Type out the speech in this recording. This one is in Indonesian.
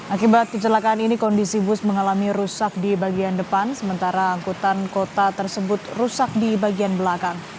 akibat kecelakaan ini kondisi bus mengalami rusak di bagian depan sementara angkutan kota tersebut rusak di bagian belakang